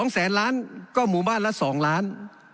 ๒แสนล้านก็หมู่บ้านละ๒ล้าน